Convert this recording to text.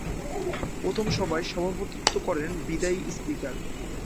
প্রথম সভায় সভাপতিত্ব করেন বিদায়ী স্পিকার।